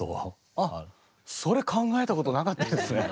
あっそれ考えたことなかったですね。